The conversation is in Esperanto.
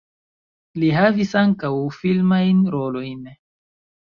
Li havis ankaŭ filmajn rolojn.